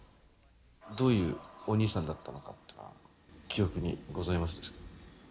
どういうお兄さんだったのかっていうのは記憶にございます？